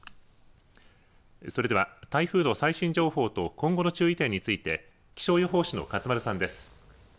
それでは台風の最新情報と今後の注意点について気象予報士の勝丸さんです。